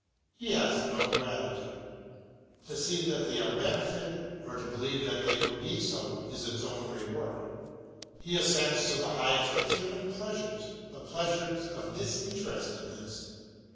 He asks no gratitude. * Bk. IV. n. MARY WOLLSTONECRAFT 91 To see that they are benefited, or to believe that they will be so, is its own reward. He ascends to the highest of human pleasures, the pleasures of disinterestedness.